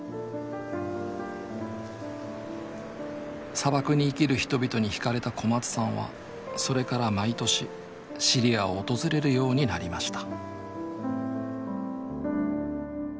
砂漠に生きる人々に惹かれた小松さんはそれから毎年シリアを訪れるようになりました